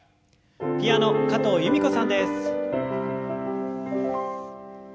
ピアノ加藤由美子さんです。